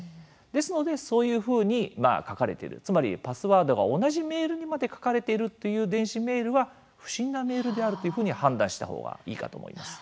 ですのでそういうふうに書かれているつまりパスワードが同じメールにまで書かれているという電子メールは不審なメールであるというふうに判断した方がいいかと思います。